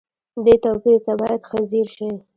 دې توپير ته بايد ښه ځير شئ.